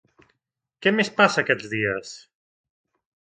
Què més passa aquests dies?